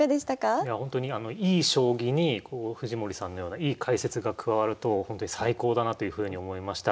いやほんとにいい将棋にこう藤森さんのようないい解説が加わるとほんとに最高だなというふうに思いました。